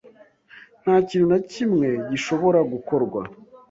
Nta kintu na kimwe gishobora gukorwa.